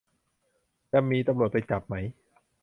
จะมีตำรวจไปจับไหม